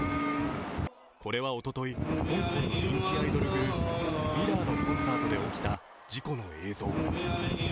これはおととい、香港の人気アイドルグループ、ＭＩＲＲＯＲのコンサートで起きた事故の映像。